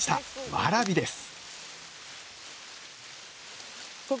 わらびです！